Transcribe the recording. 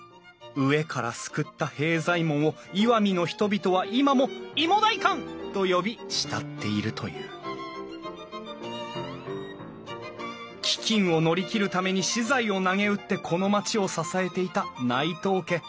飢えから救った平左衛門を石見の人々は今もいも代官と呼び慕っているという飢饉を乗り切るために私財をなげうってこの町を支えていた内藤家。